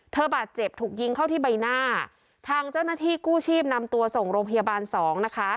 บาดเจ็บถูกยิงเข้าที่ใบหน้าทางเจ้าหน้าที่กู้ชีพนำตัวส่งโรงพยาบาลสองนะคะ